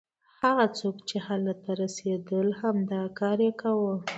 هغه څوک چې هلته رسېدل همدا کار یې کاوه.